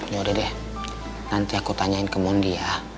ya udah deh nanti aku tanyain ke mondi ya